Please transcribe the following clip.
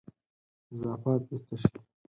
اضافات ایسته شي.